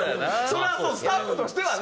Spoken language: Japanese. そりゃスタッフとしてはね。